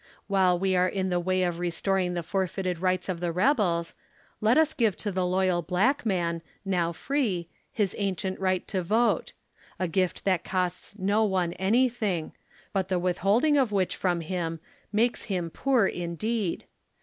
While we are in the way of restoring the forfeited rights of the rebels, let us give to the loyal black man, now free, his ancient right to vote ŌĆö a gift that costs no one anything, but the withholding of which from him makes him poor indeed.